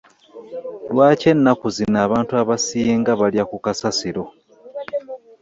Lwaki ennaku zino abantu abasinga balya ku kasasiro?